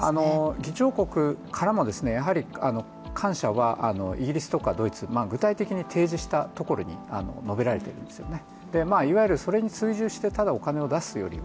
議長国からも感謝はイギリスとかドイツ具体的に提示したところに述べられているんですよね。